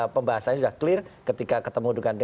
pembahasannya sudah clear ketika ketemu dengan dpr